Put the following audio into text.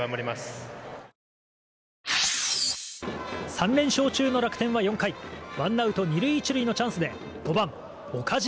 ３連勝中の楽天は４回ワンアウト２塁１塁のチャンスで５番、岡島。